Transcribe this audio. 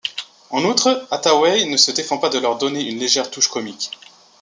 En outre, Hathaway ne se défend pas de leur donner une légère touche comique.